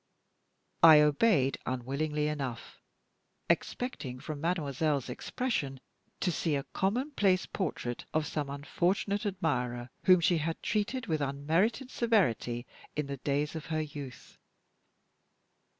I obeyed unwillingly enough, expecting, from mademoiselle's expression, to see a commonplace portrait of some unfortunate admirer whom she had treated with unmerited severity in the days of her youth.